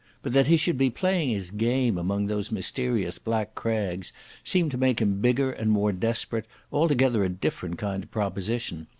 But that he should be playing his game among those mysterious black crags seemed to make him bigger and more desperate, altogether a different kind of proposition.